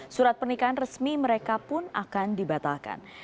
surat pernikahan resmi mereka pun akan dibatalkan